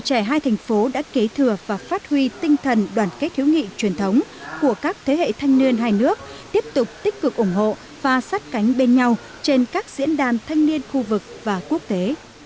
các thành phố đã kế thừa và phát huy tinh thần đoàn kết hiếu nghị truyền thống của các thế hệ thanh niên hai nước tiếp tục tích cực ủng hộ và sát cánh bên nhau trên các diễn đàn thanh niên khu vực và quốc tế